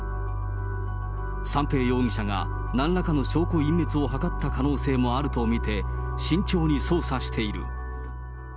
三瓶容疑者がなんらかの証拠隠滅を図った可能性もあると見て、慎重に捜査している。